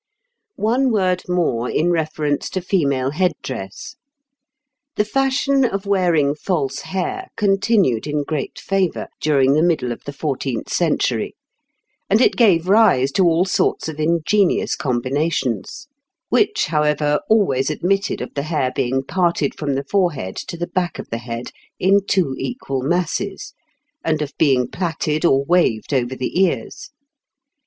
One word more in reference to female head dress. The fashion of wearing false hair continued in great favour during the middle of the fourteenth century, and it gave rise to all sorts of ingenious combinations; which, however, always admitted of the hair being parted from the forehead to the back of the head in two equal masses, and of being plaited or waved over the ears.